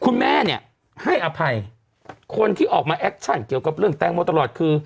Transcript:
คุณแม่เนี่ยให้อภัยคนที่ออกมาแอคชั่นเกี่ยวกับเรื่องแตงโมตลอดคือ